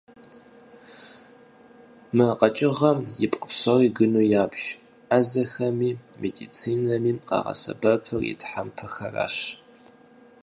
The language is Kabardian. Мы къэкӏыгъэм ипкъ псори гыну ябж, ӏэзэхэми медицинэми къагъэсэбэпыр и тхьэмпэхэращ.